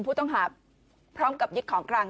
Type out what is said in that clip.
ผู้ต้องหาพร้อมกับยึดของกลาง